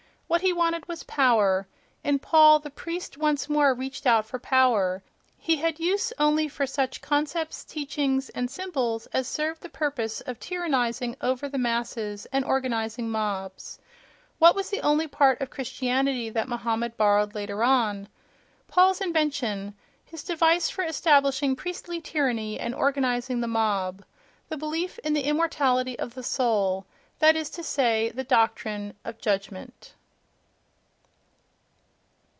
—What he wanted was power; in Paul the priest once more reached out for power—he had use only for such concepts, teachings and symbols as served the purpose of tyrannizing over the masses and organizing mobs. What was the only part of Christianity that Mohammed borrowed later on? Paul's invention, his device for establishing priestly tyranny and organizing the mob: the belief in the immortality of the soul—that is to say, the doctrine of "judgment"....